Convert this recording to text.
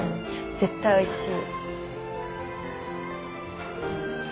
絶対おいしい。